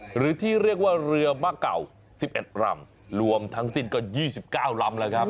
หรือที่เรียกว่าเรือมะเก่า๑๑ลำรวมทั้งสิ้นก็๒๙ลำแล้วครับ